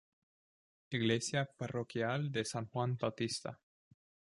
Iglesia Parroquial de San Juan Bautista.